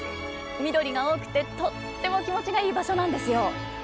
緑が多くてとっても気持ちがいい場所なんですよ。